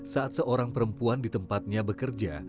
saat seorang perempuan di tempatnya bekerja